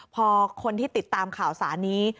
พอคนที่ติดตามข่าวสารนี้